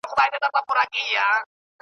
درته په قهر خدای او انسان دی .